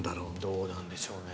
どうなんでしょうね。